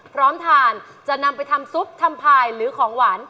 พร้อมทานจะนำไปทำซุปทำพายหรือของหวาน